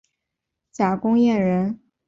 贾公彦人。